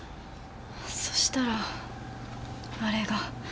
そしたらあれが。